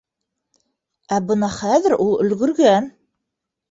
Ә бына хәҙер ул өлгөргән.